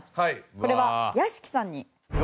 これは屋敷さんに。